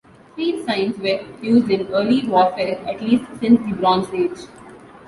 Field signs were used in early warfare at least since the Bronze Age.